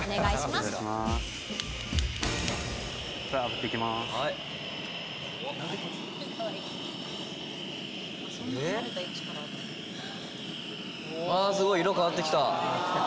すごい！色変わって来た。